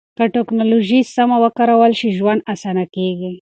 که ټکنالوژي سمه وکارول شي، ژوند اسانه کېږي.